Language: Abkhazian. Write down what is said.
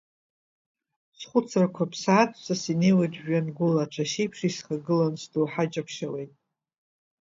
Схәыцрақәа ԥсаатәҵас инеиуеит жәҩангәыла, ацәашьеиԥш исхагылан, сдоуҳа ҷаԥшьауеит…